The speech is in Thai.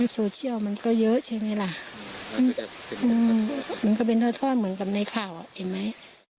โซเชียลมันก็เยอะใช่ไหมล่ะมันก็เป็นทอดเหมือนกับในข่าวเห็นไหม